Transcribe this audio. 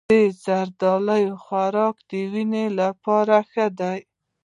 د زردالو خوراک د وینې لپاره ښه دی.